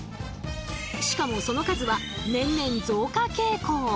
しかもその数は年々増加傾向。